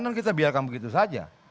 dan kita biarkan begitu saja